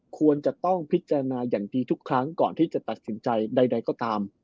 ควรจะต้องพิจารณาอย่างดีทุกครั้งก่อนที่จะตัดสินใจใดก็ตาม